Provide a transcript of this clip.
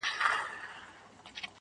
پاچا و ايستل له ځانه لباسونه؛